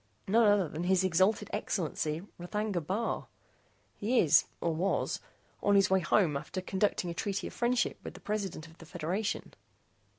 None other than His Exalted Excellency, R'thagna Bar. He is or was on his way home after concluding a treaty of friendship with the President of the Federation."